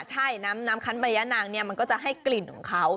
ใช่น้ำคันใบยะนางเนี่ยมันก็จะให้กลิ่นของเขา